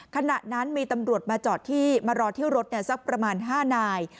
ขณะนั้นมีตำรวจมาจอดที่มารอเที่ยวรถสักประมาณ๕นาย